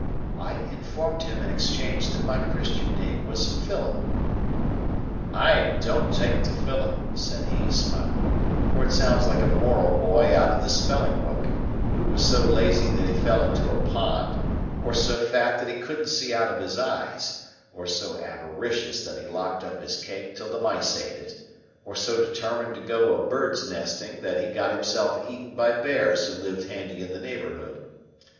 I informed him in exchange that my Christian name was Philip. "I don't take to Philip," said he, smiling, "for it sounds like a moral boy out of the spelling book, who was so lazy that he fell into a pond, or so fat that he couldn't see out of his eyes, or so avaricious that he locked up his cake till the mice ate it, or so determined to go a bird's nesting that he got himself eaten by bears who lived handy in the neighbourhood.